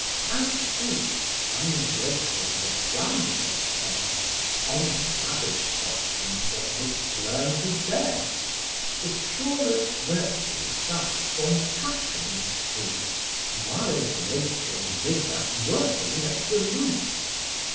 As fruits, ungrateful to the planter's care, On savage stocks inserted, learn to bear; The surest virtues thus from passions shoot, Wild nature's vigour working at the root.